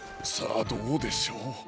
さあどうでしょう？